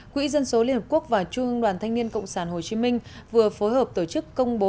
quỹ dân số liên hợp quốc và trung ương đoàn thanh niên cộng sản hồ chí minh vừa phối hợp tổ chức công bố